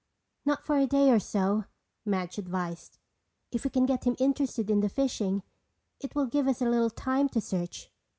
"Not for a day or so," Madge advised. "If we can get him interested in the fishing it will give us a little time to search.